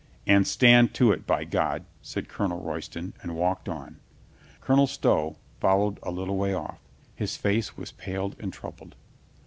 "And stand to it, by God," said Colonel Royston, and walked on. Colonel Stow followed a little way off. His face was paled and troubled.